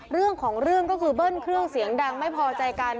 เรื่องของเรื่องก็คือยั่งดังไม่พอใจกัน